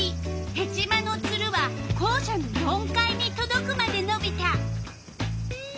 ヘチマのツルは校舎の４階にとどくまでのびた。